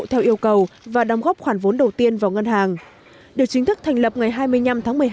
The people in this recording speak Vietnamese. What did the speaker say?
theo yêu cầu và đóng góp khoản vốn đầu tiên vào ngân hàng được chính thức thành lập ngày hai mươi năm tháng